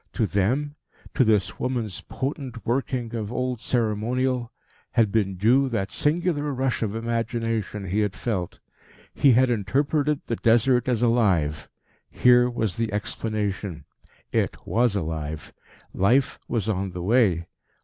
To them to this woman's potent working of old ceremonial had been due that singular rush of imagination he had felt. He had interpreted the Desert as alive. Here was the explanation. It was alive. Life was on the way.